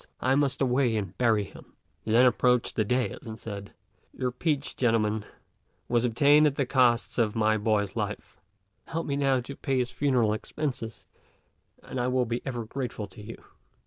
I must away and bury him." He then approached the dais and said, "Your peach, gentlemen, was obtained at the cost of my boy's life; help me now to pay his funeral expenses, and I will be ever grateful to you."